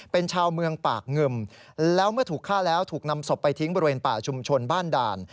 เป็นชาวเมืองปากงึมแล้วเมื่อถูกฆ่าแล้วถูกนำศพไปทิ้งบริเวณป่าชุมชนบ้านด่าน